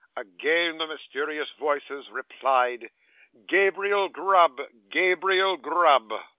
'Again the mysterious voices replied, "Gabriel Grub! Gabriel Grub!"